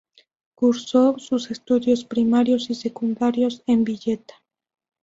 Cursó sus estudios primarios y secundarios en Villeta.